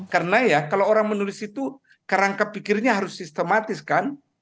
karena ya kalau orang menulis itu kerangka pikirnya harus sistematis kan